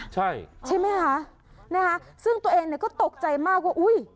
ใช่ใช่มั้ยคะซึ่งตัวเองก็ตกใจมากว่า